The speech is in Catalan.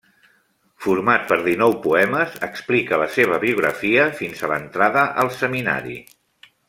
Format per dinou poemes, explica la seva biografia fins a l'entrada al seminari.